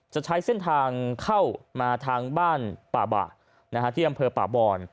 จะใช้เส้นทางเข้ามาทางบ้านป่าบะที่อำเภอป่าบอน